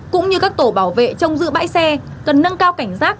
cũng như các tổ bảo vệ trong giữ bãi xe cần nâng cao cảnh giác